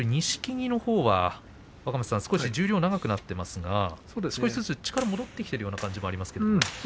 錦木のほうは十両が長くなっていますが少しずつ力が戻ってきてるような感じがありますか。